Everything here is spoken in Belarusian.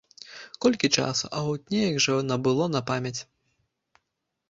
Колькі часу, а от неяк жа набыло на памяць.